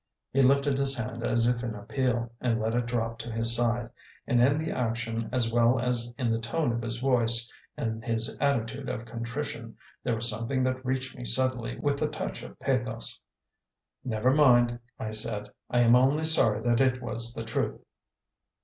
He lifted his hand as if in appeal, and let it drop to his side; and in the action, as well as in the tone of his voice and his attitude of contrition, there was something that reached me suddenly, with the touch of pathos. "Never mind," I said. "I am only sorry that it was the truth."